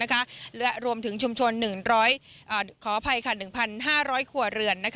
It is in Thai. และรวมถึงชุมชน๑๕๐๐ขวาเรือน